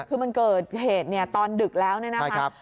คือมันเกิดเหตุเนี่ยตอนดึกแล้วเนี่ยนะครับ